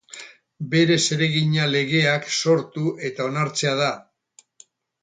Bere zeregina legeak sortu eta onartzea da.